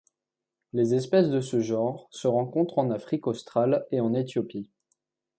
Les espèces de ce genre se rencontrent en Afrique australe et en Éthiopie.